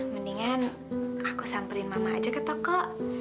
mendingan aku samperin mama aja ke toko